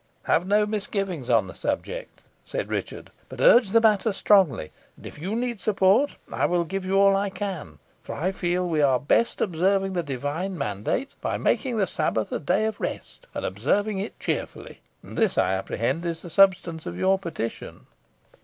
"Have no misgivings on the subject," said Richard, "but urge the matter strongly; and if you need support, I will give you all I can, for I feel we are best observing the divine mandate by making the Sabbath a day of rest, and observing it cheerfully. And this, I apprehend, is the substance of your petition?"